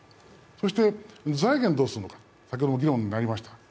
そして財源どうするのか、先ほども議論になりました。